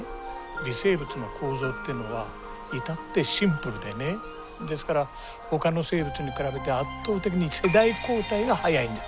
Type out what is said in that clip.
微生物の構造ってのは至ってシンプルでねですからほかの生物に比べて圧倒的に世代交代が速いんです。